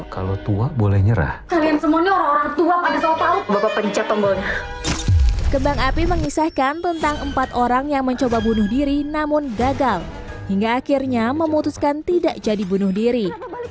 kebang api mengisahkan tentang empat orang yang mencoba bunuh diri namun gagal hingga akhirnya memutuskan tidak jadi bunuh diri